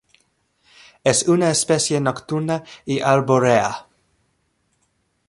Es una especie nocturna y arbórea.